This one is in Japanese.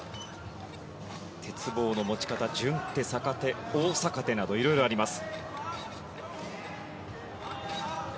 鉄棒の持ち方順手、逆手大逆手など、いろいろあります。